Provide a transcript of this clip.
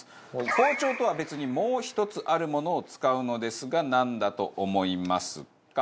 包丁とは別にもう１つあるものを使うのですがなんだと思いますか？